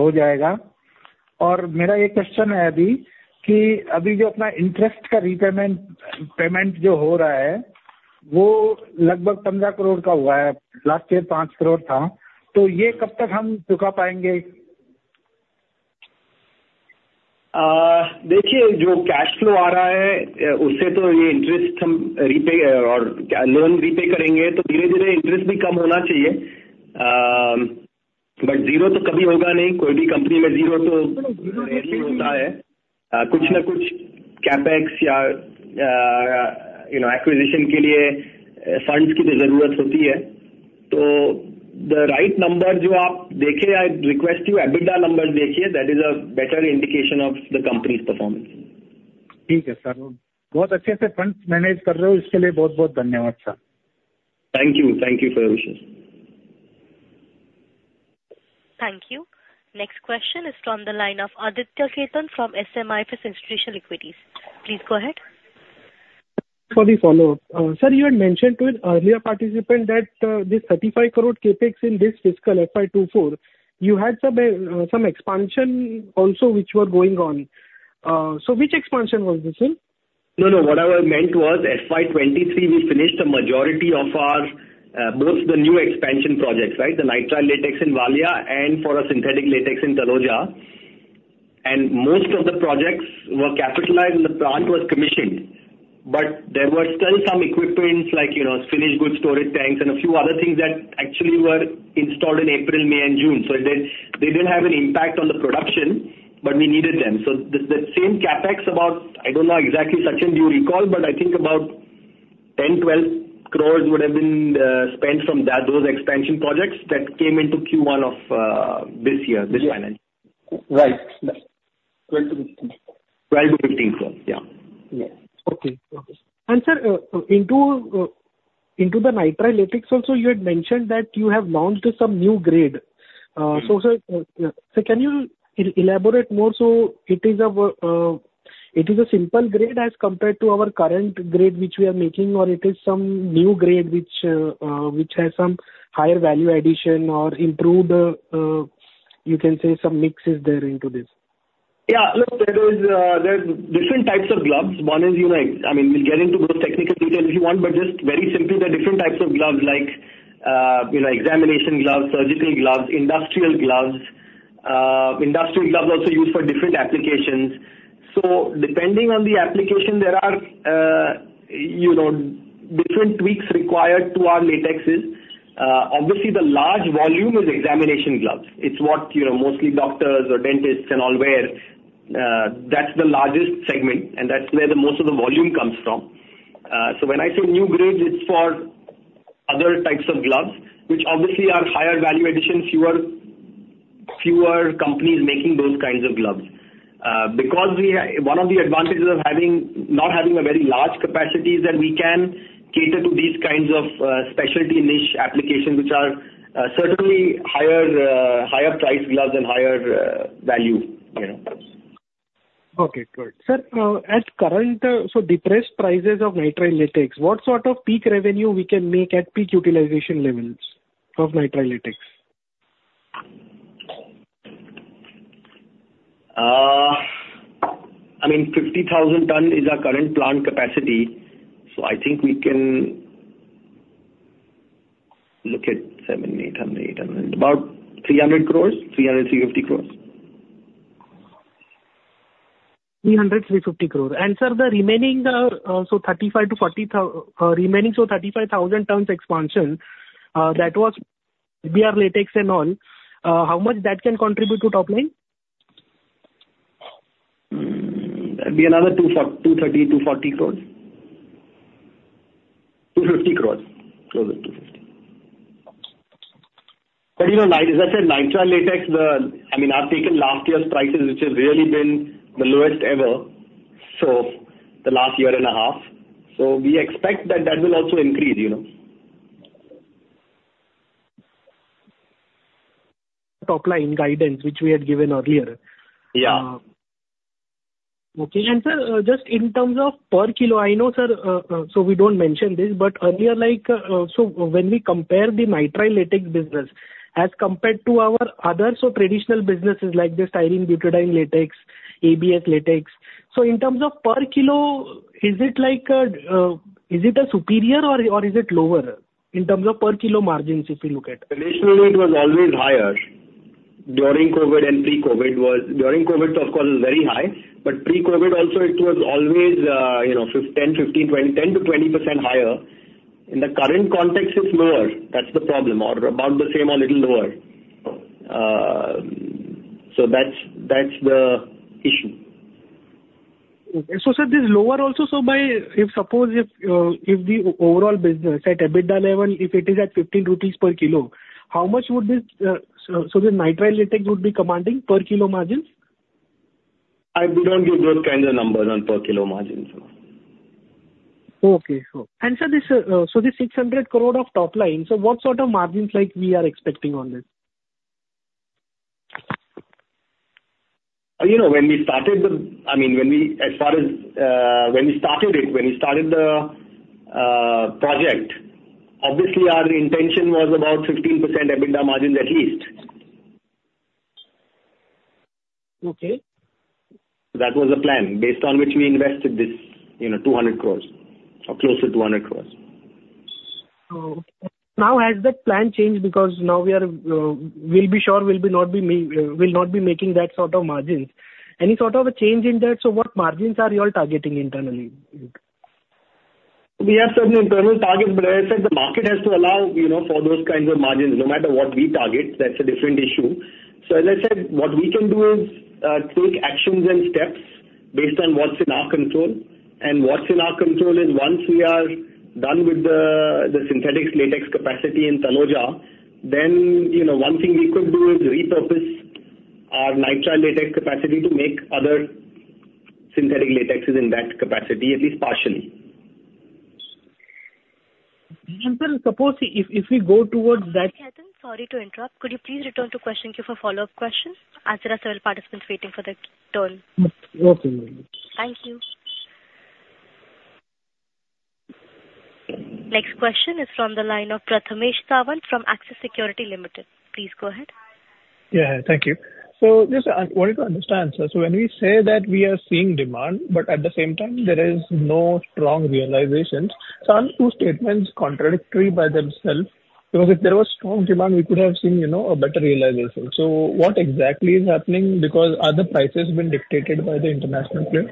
I have a question now, that the interest repayment, payment that is being made now, is around INR 15 crore. Last year it was INR 5 crore. So when will we be able to repay this? The cash flow that is coming, with that we will repay the interest and loan. So gradually the interest should also decrease. But it will never be zero. In any company, zero is rarely there. There is some CapEx or you know, acquisition funds are needed. So the right number that you see, I request you, EBITDA numbers see, that is a better indication of the company's performance. Okay, sir. You are managing the funds very well. Thank you very much for that, sir. Thank you. Thank you for your wishes. Thank you. Next question is from the line of Aditya Khetan from SMIFS Institutional Equities. Please go ahead. Sorry, follow-up. Sir, you had mentioned to an earlier participant that this 35 crore CapEx in this fiscal, FY24, you had some expansion also, which were going on. So which expansion was this in? No, no, what I meant was FY 2023, we finished the majority of our both the new expansion projects, right? The nitrile latex in Valia and for our synthetic latex in Taloja. And most of the projects were capitalized, and the plant was commissioned, but there were still some equipment like, you know, finished goods, storage tanks, and a few other things that actually were installed in April, May, and June. So they, they didn't have an impact on the production, but we needed them. So the, the same CapEx about, I don't know exactly, Sachin, do you recall? But I think about 10-12 crores would have been spent from that, those expansion projects that came into Q1 of this year, this financial. Right. 12-15. 12 crore-INR 15 crore, yeah. Yeah. Okay. And sir, into the nitrile latex also, you had mentioned that you have launched some new grade. So, can you elaborate more, so it is a very simple grade as compared to our current grade, which we are making, or it is some new grade which has some higher value addition or improved, you can say some mix is there into this? Yeah, look, there is, there's different types of gloves. One is, you know, I mean, we'll get into those technical details if you want, but just very simply, there are different types of gloves like, you know, examination gloves, surgical gloves, industrial gloves. Industrial gloves are also used for different applications. So depending on the application, there are, you know, different tweaks required to our latexes. Obviously, the large volume is examination gloves. It's what, you know, mostly doctors or dentists and all wear. That's the largest segment, and that's where the most of the volume comes from. So when I say new grade, it's for other types of gloves, which obviously are higher value addition, fewer companies making those kinds of gloves. Because one of the advantages of having, not having a very large capacity is that we can cater to these kinds of specialty niche applications, which are certainly higher higher price gloves and higher value, you know. Okay, good. Sir, at current, so depressed prices of nitrile latex, what sort of peak revenue we can make at peak utilization levels of nitrile latex? I mean, 50,000 tons is our current plant capacity, so I think we can look at 700-800, 800, about 300 crore, 300-350 crore. 300-350 crore. Sir, the remaining, so 35,000-40,000 tons expansion, that was NBR latex and all, how much that can contribute to top line? That'd be another 230-240 crores. 250 crores. Closer to 250. But, you know, as I said, nitrile latex, the... I mean, I've taken last year's prices, which has really been the lowest ever, so the last year and a half. So we expect that that will also increase, you know. Top line guidance, which we had given earlier. Yeah. Okay. And, sir, just in terms of per kilo, I know, sir, so we don't mention this, but earlier, like, so when we compare the nitrile latex business as compared to our other so traditional businesses like the styrene-butadiene latex, ABS latex. So in terms of per kilo, is it like a, is it a superior or, or is it lower in terms of per kilo margins, if you look at it? Traditionally, it was always higher. During COVID, of course, it was very high, but pre-COVID also, it was always, you know, 5%, 10%, 15%, 20%, 10%-20% higher. In the current context, it's lower. That's the problem, or about the same or little lower. So that's, that's the issue. Okay. So, sir, this lower also, so by, if suppose if, if the overall business at EBITDA level, if it is at 15 rupees per kilo, how much would this, so, so the Nitrile Latex would be commanding per kilo margins? I wouldn't give those kinds of numbers on per kilo margins. Okay. So, sir, this 600 crore of top line, so what sort of margins like we are expecting on this? You know, I mean, as far as when we started the project, obviously our intention was about 15% EBITDA margins at least. Okay. That was the plan, based on which we invested this, you know, 200 crore or close to 200 crore. Oh, now has that plan changed? Because now we are, we'll not be making that sort of margins. Any sort of a change in that? So what margins are you all targeting internally? We have certain internal targets, but as I said, the market has to allow, you know, for those kinds of margins, no matter what we target, that's a different issue. So as I said, what we can do is take actions and steps based on what's in our control. And what's in our control is once we are done with the synthetic latex capacity in Taloja, then, you know, one thing we could do is repurpose our nitrile latex capacity to make other synthetic latexes in that capacity, at least partially. Sir, suppose if we go towards that- Sorry to interrupt. Could you please return to question queue for follow-up questions, as there are several participants waiting for their turn. Okay. Thank you. Next question is from the line of [Prathamesh Chavan from Axis Securities Limited]. Please go ahead. Yeah, thank you. So just, I wanted to understand, sir, so when we say that we are seeing demand, but at the same time there is no strong realizations. So aren't those statements contradictory by themselves? Because if there was strong demand, we could have seen, you know, a better realization. So what exactly is happening? Because are the prices being dictated by the international players?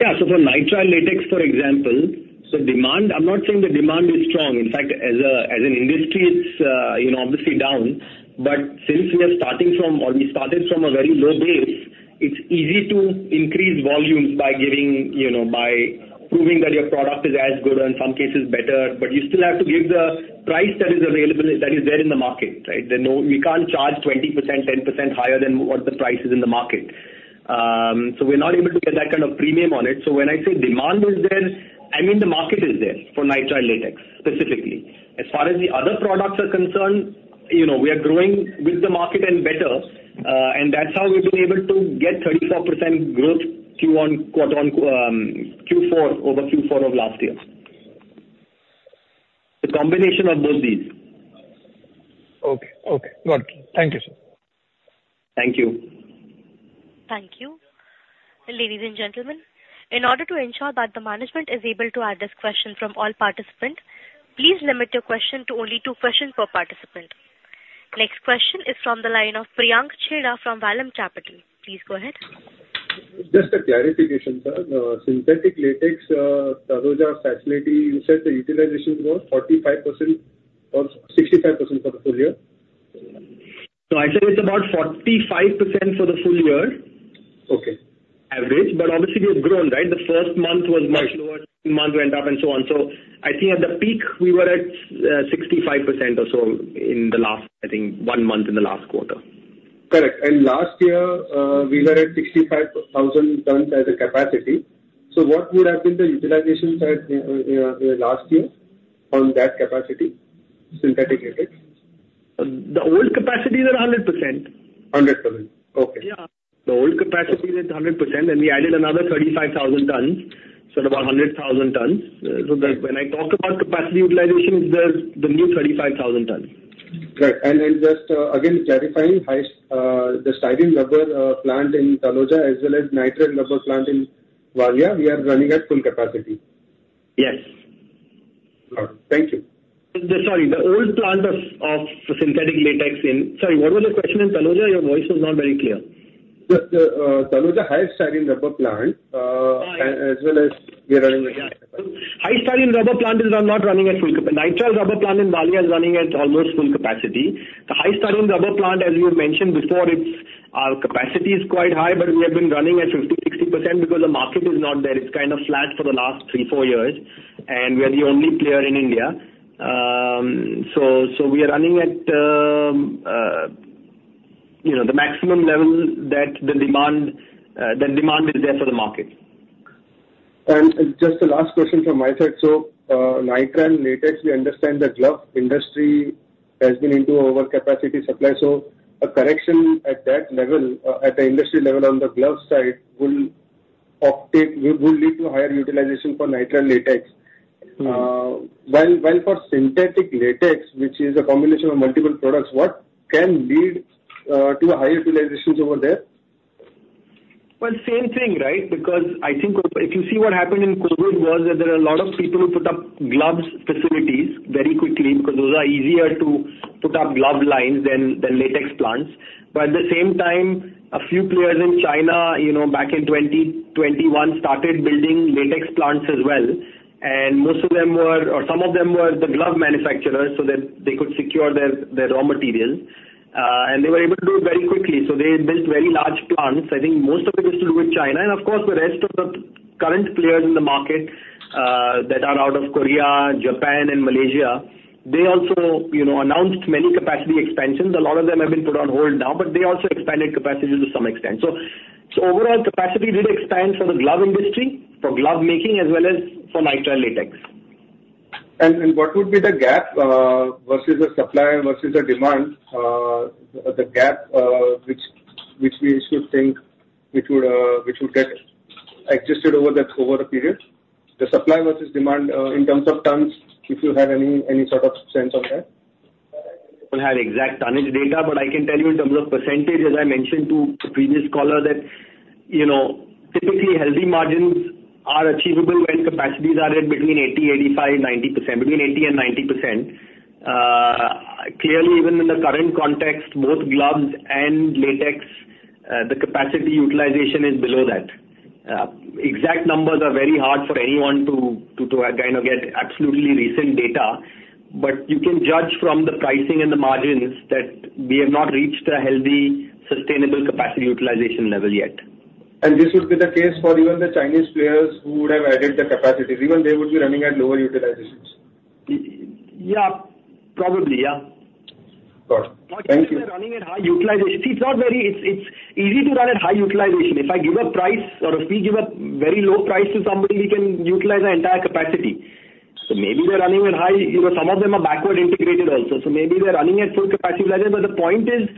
Yeah, so for nitrile latex, for example, so demand, I'm not saying the demand is strong. In fact, as a, as an industry, it's, you know, obviously down. But since we are starting from or we started from a very low base, it's easy to increase volumes by giving, you know, by proving that your product is as good or in some cases better, but you still have to give the price that is available, that is there in the market, right? There's no— We can't charge 20%, 10% higher than what the price is in the market. So we're not able to get that kind of premium on it. So when I say demand is there, I mean the market is there for nitrile latex, specifically. As far as the other products are concerned, you know, we are growing with the market and better, and that's how we've been able to get 34% growth Q1, Q4, over Q4 of last year. The combination of both these. Okay. Okay, got it. Thank you, sir. Thank you. Thank you. Ladies and gentlemen, in order to ensure that the management is able to address questions from all participants, please limit your question to only two questions per participant. Next question is from the line of Priyank Chheda from Vallum Capital. Please go ahead. Just a clarification, sir. Synthetic latex, Taloja facility, you said the utilization was 45% or 65% for the full year? I said it's about 45% for the full year. Okay. Average, but obviously, we have grown, right? The first month was much lower, month went up and so on. So I think at the peak, we were at 65% or so in the last, I think, one month in the last quarter. Correct. And last year, we were at 65,000 tons as a capacity. So what would have been the utilization side, last year on that capacity, synthetic latex? The old capacities are 100%. 100%. Okay. Yeah. The old capacity is at 100%, and we added another 35,000 tons, so about 100,000 tons. So when I talk about capacity utilization, it's the new 35,000 tons. Correct. And just, again, clarifying, the high-styrene rubber plant in Taloja, as well as nitrile rubber plant in Valia, we are running at full capacity. Yes. Got it. Thank you. Sorry, the old plant of, of synthetic latex in... Sorry, what was the question in Taloja? Your voice was not very clear. The Taloja high-styrene rubber plant, uh- Uh. as well as we are running at high-styrene rubber plant is not running at full capacity. Nitrile rubber plant in Valia is running at almost full capacity. The high-styrene rubber plant, as you had mentioned before, it's our capacity is quite high, but we have been running at 50%-60% because the market is not there. It's kind of flat for the last 3-4 years, and we are the only player in India. So we are running at, you know, the maximum level that the demand, the demand is there for the market. Just the last question from my side: so, nitrile latex, we understand the glove industry has been into overcapacity supply, so a correction at that level, at the industry level on the glove side will lead to higher utilization for nitrile latex. Mm-hmm. While for synthetic latex, which is a combination of multiple products, what can lead to a higher utilization over there? Well, same thing, right? Because I think if you see what happened in COVID was that there are a lot of people who put up gloves facilities very quickly, because those are easier to put up glove lines than latex plants. But at the same time, a few players in China, you know, back in 2021 started building latex plants as well, and most of them were, or some of them were the glove manufacturers, so that they could secure their raw materials. And they were able to do it very quickly, so they built very large plants. I think most of it has to do with China, and of course, the rest of the current players in the market that are out of Korea, Japan and Malaysia, they also, you know, announced many capacity expansions. A lot of them have been put on hold now, but they also expanded capacities to some extent. So, overall capacity did expand for the glove industry, for glove making, as well as for nitrile latex. What would be the gap versus the supply versus the demand, the gap, which we should think would get adjusted over the period? The supply versus demand in terms of tons, if you have any sort of sense of that. We don't have exact tonnage data, but I can tell you in terms of percentage, as I mentioned to the previous caller, that, you know, typically healthy margins are achievable when capacities are at between 80%, 85%, 90%. Between 80% and 90%. Clearly, even in the current context, both gloves and latex, the capacity utilization is below that. Exact numbers are very hard for anyone to kind of get absolutely recent data, but you can judge from the pricing and the margins that we have not reached a healthy, sustainable capacity utilization level yet. This would be the case for even the Chinese players who would have added the capacities, even they would be running at lower utilizations? Yeah, probably, yeah. Got it. Thank you. Running at high utilization. It's easy to run at high utilization. If I give a price or if we give a very low price to somebody, we can utilize our entire capacity. So maybe they're running at high, you know, some of them are backward integrated also, so maybe they're running at full capacity level. But the point is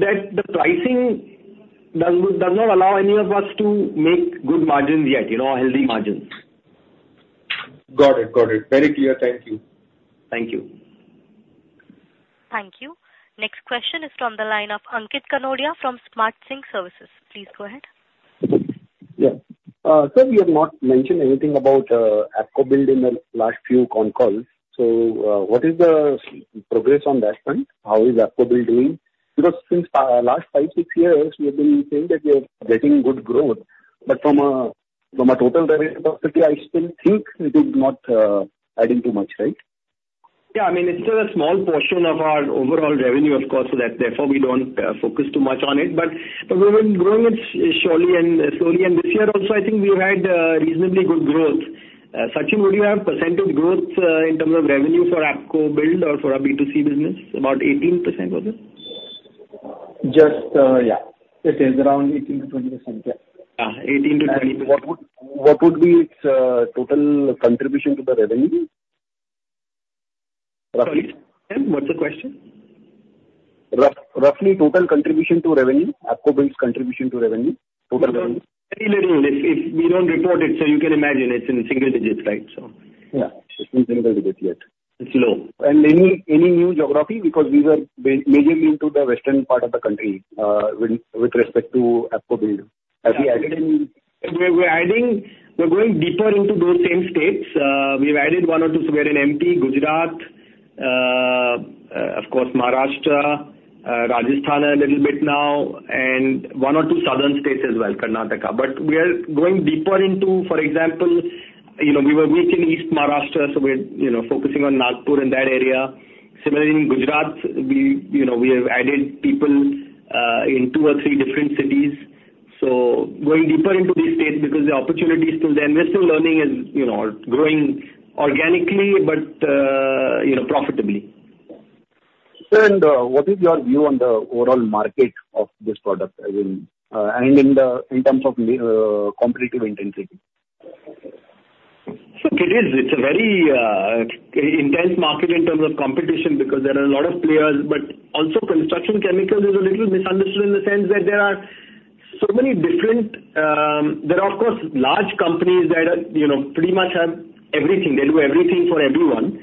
that the pricing does not allow any of us to make good margins yet, you know, or healthy margins. Got it, got it. Very clear. Thank you. Thank you. Thank you. Next question is from the line of Ankit Kanodia from Smart Sync Services. Please go ahead. Yeah. Sir, you have not mentioned anything about ApcoBuild in the last few con calls. So, what is the progress on that front? How is ApcoBuild doing? Because since last five, six years, you have been saying that you are getting good growth, but from a, from a total revenue perspective, I still think it is not adding too much, right? Yeah, I mean, it's still a small portion of our overall revenue, of course, so therefore we don't focus too much on it. But we've been growing it surely and slowly, and this year also, I think we had a reasonably good growth. Sachin, would you have percentage growth in terms of revenue for ApcoBuild or for our B2C business? About 18%, was it? Just, yeah, it is around 18%-20%. Yeah. 18%-20%. What would, what would be its total contribution to the revenue, roughly? Sorry. What's the question? Roughly, total contribution to revenue. ApcoBuild's contribution to revenue, total revenue. Very little. If we don't report it, so you can imagine it's in the single digits, right? So... Yeah, it's in single digits yet. It's low. Any, any new geography? Because we were mainly into the western part of the country, with, with respect to ApcoBuild. Have you added any? We're adding... We're going deeper into those same states. We've added one or two, so we're in MP, Gujarat, of course, Maharashtra, Rajasthan a little bit now, and one or two southern states as well, Karnataka. But we are going deeper into, for example, you know, we were weak in east Maharashtra, so we're, you know, focusing on Nagpur and that area. Similarly, in Gujarat, we, you know, we have added people in two or three different cities. So going deeper into these states because the opportunity is still there. And we're still learning and, you know, growing organically, but, you know, profitably. Sir, what is your view on the overall market of this product, as in, in terms of the competitive intensity? Look, it is, it's a very intense market in terms of competition because there are a lot of players, but also construction chemicals is a little misunderstood in the sense that there are so many different. There are, of course, large companies that are, you know, pretty much have everything. They do everything for everyone,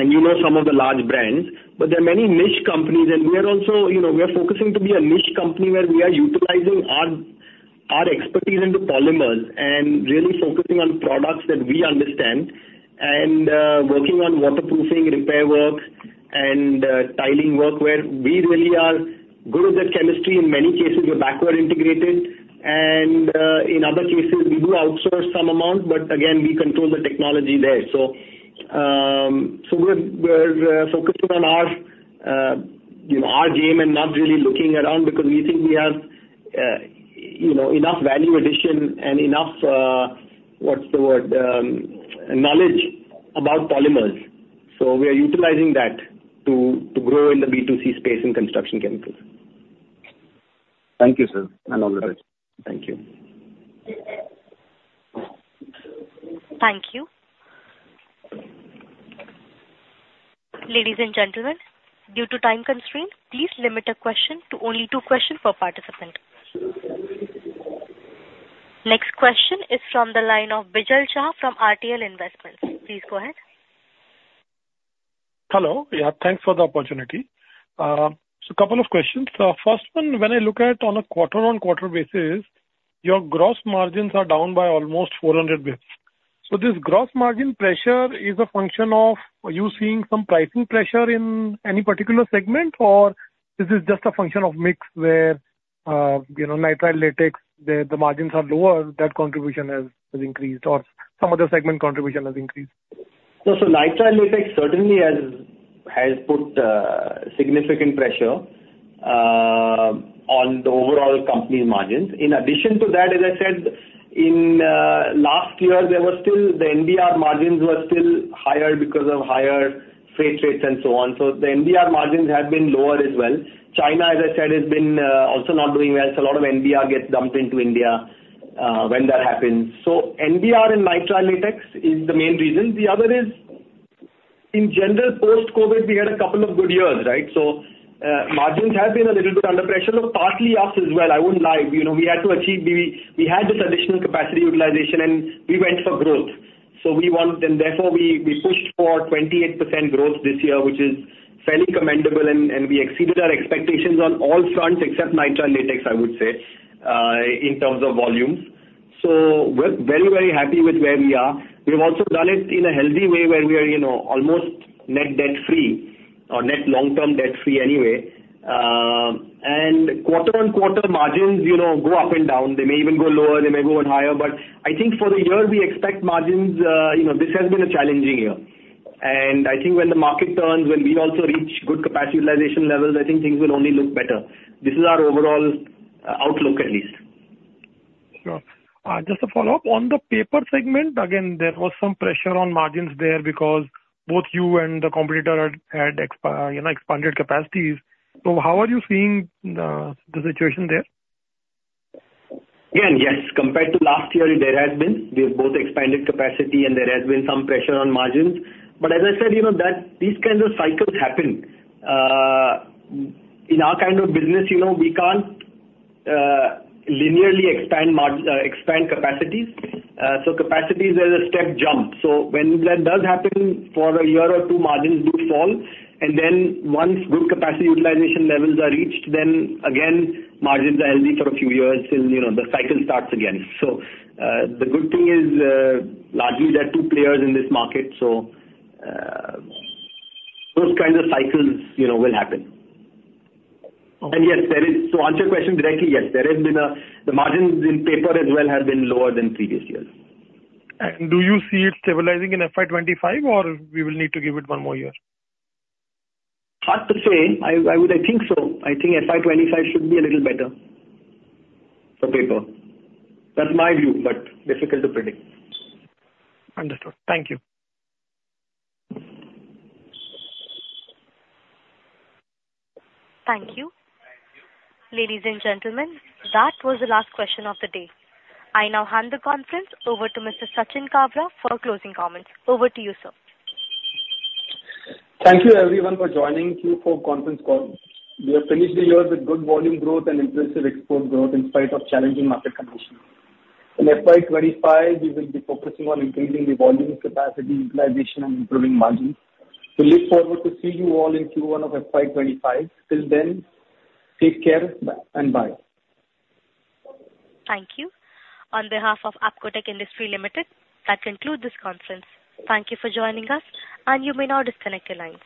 and you know some of the large brands. But there are many niche companies, and we are also, you know, we are focusing to be a niche company where we are utilizing our expertise in the polymers and really focusing on products that we understand. And working on waterproofing, repair works, and tiling work, where we really are good with that chemistry. In many cases, we're backward integrated, and in other cases, we do outsource some amount, but again, we control the technology there. So, we're focused on our, you know, our game and not really looking around because we think we have, you know, enough value addition and enough, what's the word, knowledge about polymers. So we are utilizing that to grow in the B2C space in construction chemicals. Thank you, sir, and all the best. Thank you. Thank you. Ladies and gentlemen, due to time constraint, please limit a question to only two questions per participant. Next question is from the line of Bijal Shah from RTL Investments. Please go ahead. Hello. Yeah, thanks for the opportunity. So a couple of questions. First one, when I look at on a quarter-on-quarter basis, your gross margins are down by almost 400 basis. So this gross margin pressure is a function of you seeing some pricing pressure in any particular segment, or this is just a function of mix where, you know, nitrile latex, the margins are lower, that contribution has increased, or some other segment contribution has increased? No. So nitrile latex certainly has put significant pressure on the overall company margins. In addition to that, as I said, in last year, the NBR margins were still higher because of higher freight rates and so on. So the NBR margins have been lower as well. China, as I said, has been also not doing well, so a lot of NBR gets dumped into India when that happens. So NBR and nitrile latex is the main reason. The other is, in general, post-COVID, we had a couple of good years, right? So margins have been a little bit under pressure. Look, partly us as well, I wouldn't lie. You know, we had to achieve the... We had this additional capacity utilization, and we went for growth. So we want, and therefore we, we pushed for 28% growth this year, which is fairly commendable, and, and we exceeded our expectations on all fronts, except nitrile latex, I would say, in terms of volumes. So we're very, very happy with where we are. We've also done it in a healthy way, where we are, you know, almost net debt-free or net long-term debt-free anyway. And quarter-on-quarter margins, you know, go up and down. They may even go lower, they may go higher. But I think for the year, we expect margins, you know, this has been a challenging year. And I think when the market turns, when we also reach good capacity utilization levels, I think things will only look better. This is our overall outlook, at least. Sure. Just a follow-up. On the paper segment, again, there was some pressure on margins there because both you and the competitor had expanded capacities. So how are you seeing the situation there? Again, yes, compared to last year, there has been. We have both expanded capacity, and there has been some pressure on margins. But as I said, you know, that these kinds of cycles happen. In our kind of business, you know, we can't linearly expand capacities. So capacities there's a step jump. So when that does happen, for a year or two, margins do fall, and then once good capacity utilization levels are reached, then again, margins are healthy for a few years till, you know, the cycle starts again. So, the good thing is, largely there are two players in this market, so, those kinds of cycles, you know, will happen. Okay. Yes, to answer your question directly, yes, the margins in paper as well have been lower than previous years. Do you see it stabilizing in FY25, or we will need to give it one more year? Hard to say. I would, I think so. I think FY25 should be a little better for paper. That's my view, but difficult to predict. Understood. Thank you. Thank you. Ladies and gentlemen, that was the last question of the day. I now hand the conference over to Mr. Sachin Karwa for closing comments. Over to you, sir. Thank you, everyone, for joining Q4 conference call. We have finished the year with good volume growth and impressive export growth in spite of challenging market conditions. In FY25, we will be focusing on increasing the volume capacity, utilization, and improving margins. We look forward to see you all in Q1 of FY25. Till then, take care, bye and bye. Thank you. On behalf of Apcotex Industries Limited, that concludes this conference. Thank you for joining us, and you may now disconnect your lines.